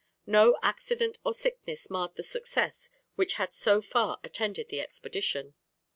No accident or sickness marred the success which had so far attended the expedition.